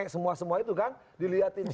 semua semua itu kan dilihatin